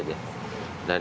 ini untuk apa